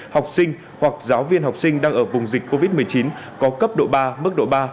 học sinh hoặc giáo viên học sinh đang ở vùng dịch covid một mươi chín có cấp độ ba mức độ ba